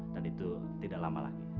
dan itu tidak lama lagi